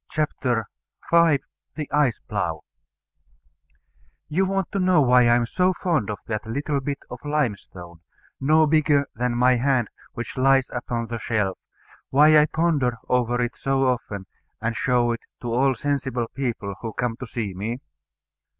CHAPTER V THE ICE PLOUGH You want to know why I am so fond of that little bit of limestone, no bigger than my hand, which lies upon the shelf; why I ponder over it so often, and show it to all sensible people who come to see me?